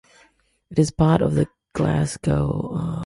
It is part of the Glasgow Micropolitan Statistical Area.